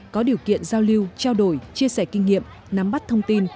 có điều kiện giao lưu trao đổi chia sẻ kinh nghiệm nắm bắt thông tin